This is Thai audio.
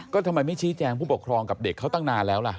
ก็ทำไมไม่ชี้แจงผู้ปกครองกับเด็กเขาตั้งนานแล้วล่ะ